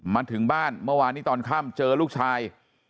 มาถึงบ้านเมื่อวานนี้ตอนค่ำเจอลูกชาย